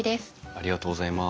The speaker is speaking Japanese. ありがとうございます。